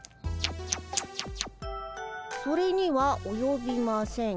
「それにはおよびません。